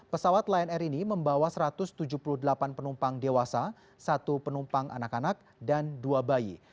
pesawat lion air ini membawa satu ratus tujuh puluh delapan penumpang dewasa satu penumpang anak anak dan dua bayi